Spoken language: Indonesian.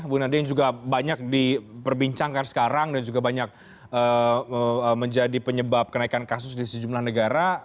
bu nadia yang juga banyak diperbincangkan sekarang dan juga banyak menjadi penyebab kenaikan kasus di sejumlah negara